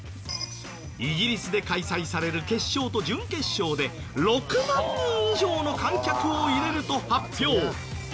イギリスで開催される決勝と準決勝で６万人以上の観客を入れると発表。